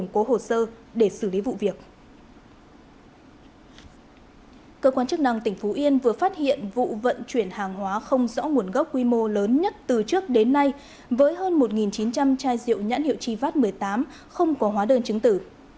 cơ quan chức năng tỉnh phú yên vừa phát hiện vụ vận chuyển hàng hóa không rõ nguồn gốc quy mô lớn nhất từ trước đến nay với hơn một chín trăm linh chai rượu nhãn hiệu tri vát một mươi tám không có hóa đơn chứng tử